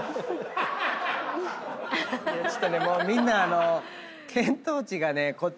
ちょっとねもうみんな。